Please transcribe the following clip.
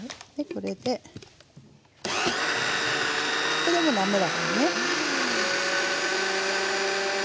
これでもう滑らかにね。